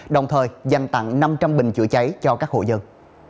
đồng thời dành tặng năm trăm linh bình chữa cháy cho các hộ dân